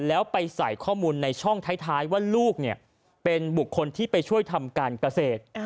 แล้วไปใส่ข้อมูลในช่องท้ายว่าลูกเป็นบุคคลที่ไปช่วยทำการเกษตร